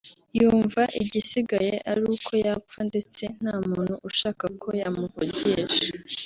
yumva igisigaye ari uko yapfa ndetse nta muntu ashaka ko yamuvugisha